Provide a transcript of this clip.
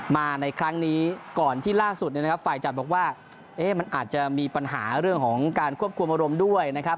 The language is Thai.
มาในครั้งนี้ก่อนที่ล่าสุดเนี่ยนะครับฝ่ายจัดบอกว่ามันอาจจะมีปัญหาเรื่องของการควบคุมอารมณ์ด้วยนะครับ